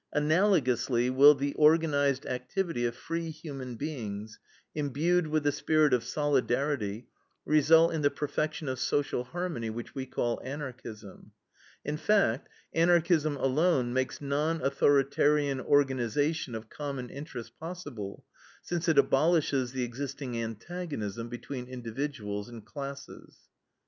Analogously will the organized activity of free human beings, imbued with the spirit of solidarity, result in the perfection of social harmony, which we call Anarchism. In fact, Anarchism alone makes non authoritarian organization of common interests possible, since it abolishes the existing antagonism between individuals and classes.